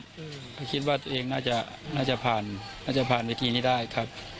ก็คิดว่าตัวเองน่าจะน่าจะผ่านน่าจะผ่านเวทีนี้ได้ครับ